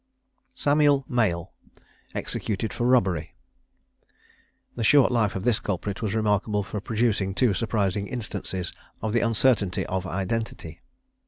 SAMUEL MALE. EXECUTED FOR ROBBERY. The short life of this culprit was remarkable for producing two surprising instances of the uncertainty of identity.